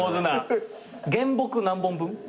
原木何本分？